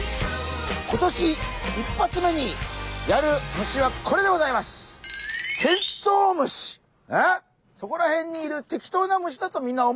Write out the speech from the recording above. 今年１発目にやる虫はこれでございますえっそこら辺にいる適当な虫だとみんな思ってるだろ？